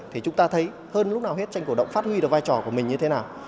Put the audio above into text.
thì chúng ta thấy hơn lúc nào hết tranh cổ động phát huy được vai trò của mình như thế nào